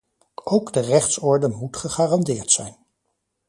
Ook de rechtsorde moet gegarandeerd zijn.